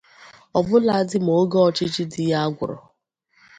ọbụladị ma oge ọchịchị di ya gwụrụ.